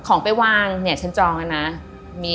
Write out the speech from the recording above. ของไปวางเนี่ยฉันจองแล้วนะ